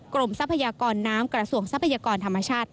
ทรัพยากรน้ำกระทรวงทรัพยากรธรรมชาติ